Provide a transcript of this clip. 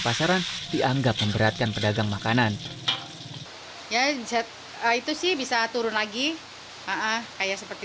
pasaran dianggap memberatkan pedagang makanan ya zat itu sih bisa turun lagi kayak seperti